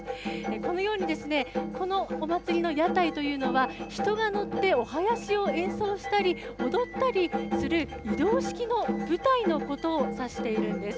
このように、このお祭りの屋台というのは、人が乗ってお囃子を演奏したり、踊ったりする移動式の舞台のことを指しているんです。